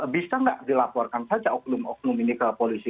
bisa nggak dilaporkan saja oknum oknum ini ke polisi